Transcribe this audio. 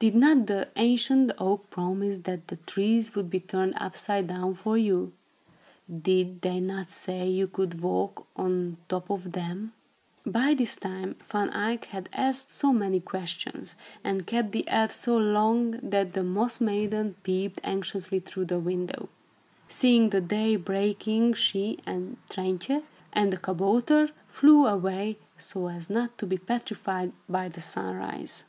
Did not the ancient oak promise that the trees would be turned upside down for you? Did they not say you could walk on top of them?" By this time, Van Eyck had asked so many questions, and kept the elves so long, that the Moss Maiden peeped anxiously through the window. Seeing the day breaking, she and Trintje and the kabouter flew away, so as not to be petrified by the sunrise.